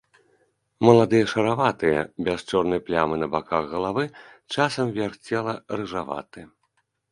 Маладыя шараватыя, без чорнай плямы на баках галавы, часам верх цела рыжаваты.